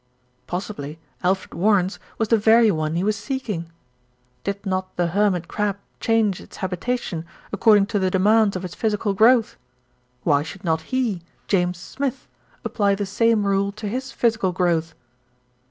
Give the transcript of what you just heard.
Possibly Alfred Warren's was the very one he was seeking. Did not the hermit crab change its habitation according to the demands of its physical growth? Why should not he, James Smith, apply the same rule to his physical growth?